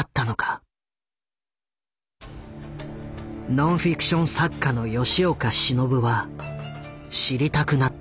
ノンフィクション作家の吉岡忍は知りたくなった。